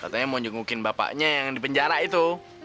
katanya mau nyungukin bapaknya yang di penjara itu